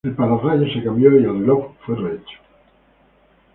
El pararrayos se cambió y el reloj fue rehecho.